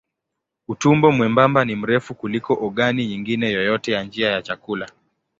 Utumbo mwembamba ni mrefu kuliko ogani nyingine yoyote ya njia ya chakula.